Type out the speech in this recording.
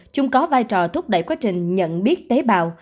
trung có vai trò thúc đẩy quá trình nhận biết tế bào